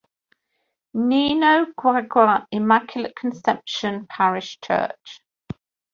Nino, Guagua, Immaculate Conception Parish Church.